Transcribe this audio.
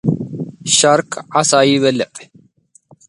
ሻርክ፡ዓሳ ይበልዑ።